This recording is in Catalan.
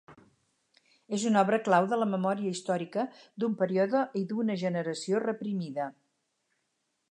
És una obra clau de la memòria històrica d'un període i d'una generació reprimida.